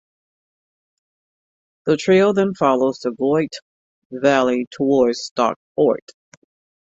The trail then follows the Goyt Valley towards Stockport.